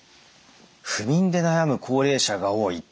不眠で悩む高齢者が多い。